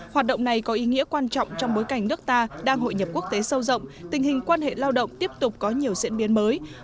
hoạt động này có ý nghĩa quan trọng trong bối cảnh nước ta đang hội nhập quốc tế sâu rộng tình hình quan hệ lao động tiếp tục có nhiều diễn biến mới